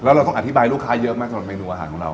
เราต้องอธิบายลูกค้าเยอะมากสำหรับเมนูอาหารของเรา